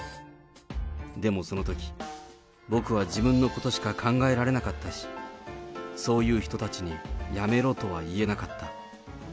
でもそのとき、僕は自分のことしか考えられなかったし、そういう人たちに、やめろとは言えなかった。